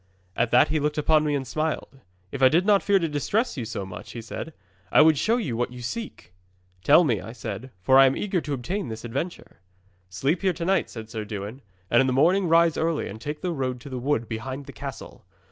'At that he looked upon me and smiled. '"If I did not fear to distress you too much," he said, "I would show you what you seek!" '"Tell me," I said, "for I am eager to obtain this adventure." '"Sleep here to night," said Sir Dewin, "and in the morning rise early, and take the road to the wood behind the castle.